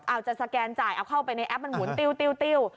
อาจจะสแกนจ่ายเอาเข้าไปในแอปมันหมุนติ้ว